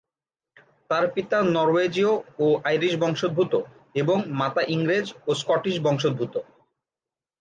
তার পিতা নরওয়েজীয় ও আইরিশ বংশোদ্ভূত এবং মাতা ইংরেজ ও স্কটিশ বংশোদ্ভূত।